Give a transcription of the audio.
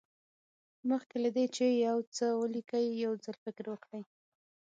مخکې له دې چې یو څه ولیکئ یو ځل فکر وکړئ.